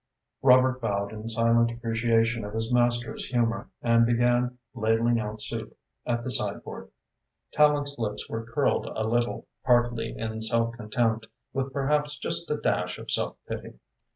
Robert bowed in silent appreciation of his master's humour and began ladling out soup at the sideboard. Tallente's lips were curled a little, partly in self contempt, with perhaps just a dash of self pity.